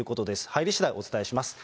入りしだい、お伝えします。